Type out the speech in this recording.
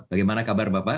apa kabar bapak